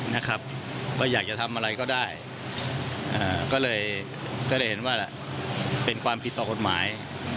นะครับก็อยากจะทำอะไรก็ได้ก็เลยเห็นว่าเป็นความผิดต่อกฎหมาย